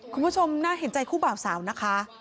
คุณผู้ชมน่าเห็นใจคู่บ่าวสาวนะคะ